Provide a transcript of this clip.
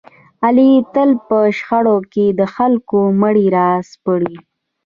علي تل په شخړو کې د خلکو مړي را سپړي.